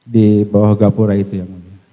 di bawah gapura itu yang mulia